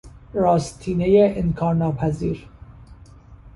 راستینهی انکارناپذیر